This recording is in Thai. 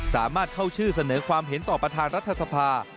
สามารถเข้าชื่อเสนอความเห็นต่อประธานรัฐสภา